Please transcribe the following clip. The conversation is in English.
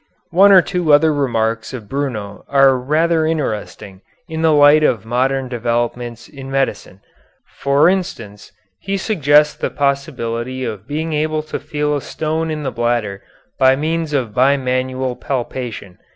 One or two other remarks of Bruno are rather interesting in the light of modern developments in medicine. For instance, he suggests the possibility of being able to feel a stone in the bladder by means of bimanual palpation.